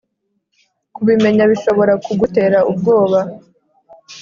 Kubimenya bishobora kugutera ubwoba